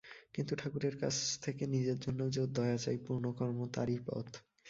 কিন্তু ঠাকুরের কাছ থেকে নিজের জন্যেও যে ওর দয়া চাই, পুণ্যকর্ম তারই পথ।